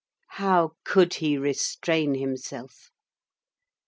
How could he restrain himself?